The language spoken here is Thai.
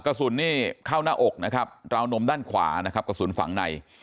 กระสุนนี่เข้าหน้าอกนะครับราวนมด้านขวานะครับกระสุนฝังใน